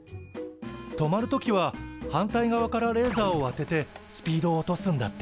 止まる時は反対側からレーザーを当ててスピードを落とすんだって。